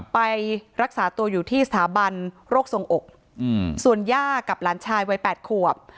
ไปรักษาตัวอยู่ที่สถาบันโรคทรงอกส่วนย่ากับหลานชายวัย๘ขวบ